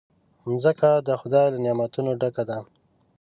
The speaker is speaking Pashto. مځکه د خدای له نعمتونو ډکه ده.